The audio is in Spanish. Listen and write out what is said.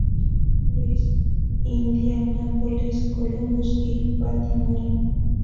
Louis, Indianápolis, Columbus y Baltimore.